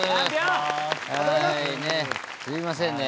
すみませんね。